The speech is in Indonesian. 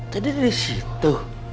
tadi di situ